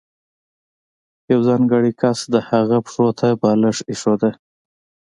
یو ځانګړی کس د هغه پښو ته بالښت ایښوده.